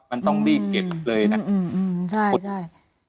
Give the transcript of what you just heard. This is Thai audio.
มันต้องรีบเก็บเลยนะใช่